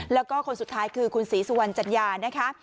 แล้วก็คนสุดท้ายคือคุณศรีสุวรรณจัญญานะคะ